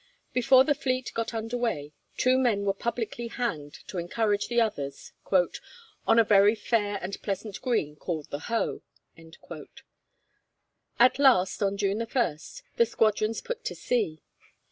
Before the fleet got under way, two men were publicly hanged, to encourage the others, 'on a very fair and pleasant green, called the Hoe.' At last, on June 1, the squadrons put to sea.